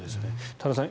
多田さん